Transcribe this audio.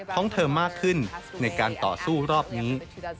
ของเธอมากขึ้นในการต่อสู้รอบนี้